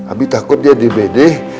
abis takut jadi bedih